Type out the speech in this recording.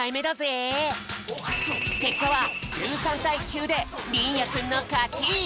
けっかは１３たい９でりんやくんのかち！